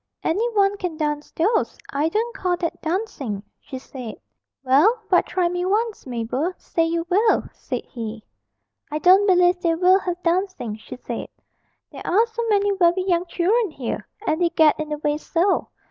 'Any one can dance those. I don't call that dancing,' she said. 'Well, but try me once, Mabel; say you will,' said he. 'I don't believe they will have dancing,' she said; 'there are so many very young children here and they get in the way so.